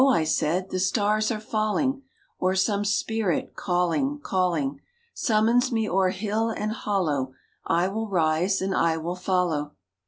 " I said, " the stars are falling, Or some spirit, calling, calling, Summons me o'er hill and hollow. I will rise, and I will follow